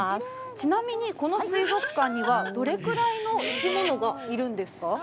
ちなみに、この水族館にはどれくらいの生き物がいるんですか。